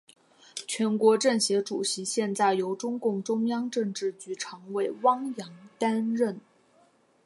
全国政协主席现在由中共中央政治局常委汪洋担任。